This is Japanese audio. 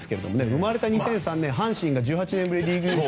生まれた２００３年は阪神が１８年ぶりにリーグ優勝。